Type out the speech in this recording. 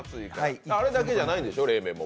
あれだけじゃないんでしょ、冷麺も。